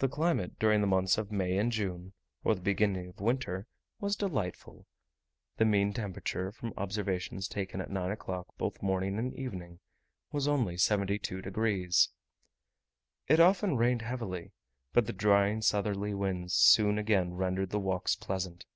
The climate, during the months of May and June, or the beginning of winter, was delightful. The mean temperature, from observations taken at nine o'clock, both morning and evening, was only 72 degs. It often rained heavily, but the drying southerly winds soon again rendered the walks pleasant.